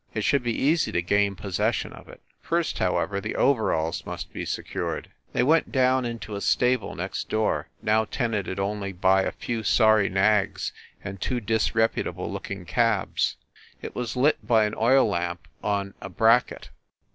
It should be easy to gain possession of it. First, however, the overalls must be secured. They went down into a stable next door, now tenanted only by a few sorry nags and two disrepu table looking cabs. It was lit by an oil lamp on a bracket.